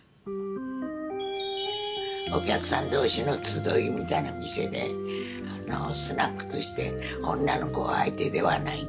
お客さん同士の集いみたいな店でスナックとして女の子相手ではないんですよ。